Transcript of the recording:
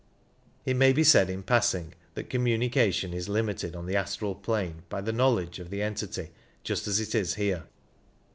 It may be said in passing that communication is limited on the astral plane by the knowledge of the entity, just as it is here.